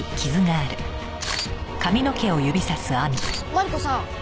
マリコさん